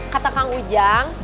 kata kang ujang